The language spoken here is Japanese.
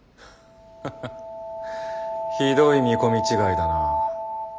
ハハひどい見込み違いだな。